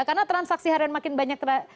karena transaksi harian makin banyak terjadi